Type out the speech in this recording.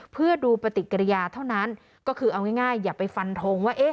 เพื่อดูปฏิกิริยาเท่านั้นก็คือเอาง่ายอย่าไปฟันทงว่า